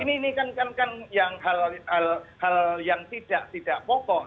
ini kan hal yang tidak pokok